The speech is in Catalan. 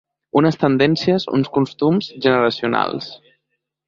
Unes tendències, uns costums, generacionals.